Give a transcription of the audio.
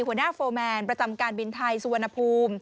โฟร์แมนประจำการบินไทยสุวรรณภูมิ